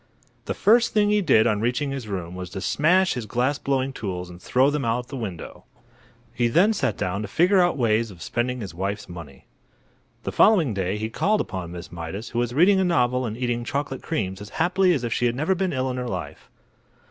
The first thing he did on reaching his room was to smash his glass blowing tools and throw them out of the window. He then sat down to figure out ways of spending his wife's money. The following day he called upon Miss Mydas, who was reading a novel and eating chocolate creams as happily as if she had never been ill in her life.